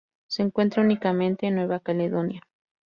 Se encuentra únicamente en Nueva Caledonia.